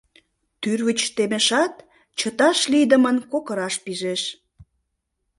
Тӱрвыч темешат, чыташ лийдымын кокыраш пижеш.